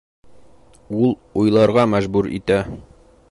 Ул уйларға мәжбүр итә.